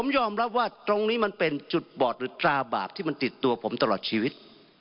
ยอมรับว่าตรงนี้มันเป็นจุดบอดหรือตราบาปที่มันติดตัวผมตลอดชีวิต